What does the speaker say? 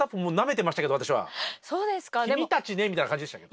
君たちねみたいな感じでしたけど。